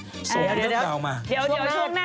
โซะเรื่องราวมาดีเดี๋ยวช่วงหน้าเรมาเล่าเรื่องต่อนโยย